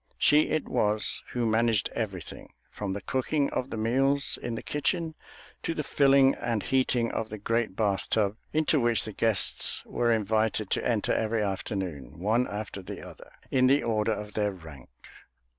She it was who managed everything, from the cooking of the meals in the kitchen to the filling and heating of the great bath tub into which the guests were invited to enter every afternoon, one after the other, in the order of their rank.